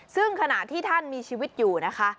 ซึ่งขณะที่ท่านมีชีวิตอยู่นะคะ